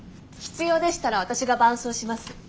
必要でしたら私が伴奏します。